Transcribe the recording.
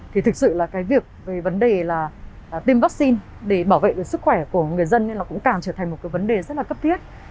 thì thực sự việc về vấn đề tiêm vaccine để bảo vệ được sức khỏe của người dân cũng càng trở thành một vấn đề rất là cấp thiết